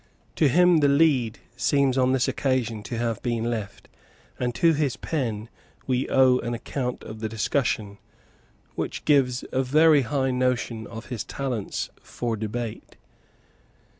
To him the lead seems on this occasion to have been left; and to his pen we owe an account of the discussion, which gives a very high notion of his talents for debate.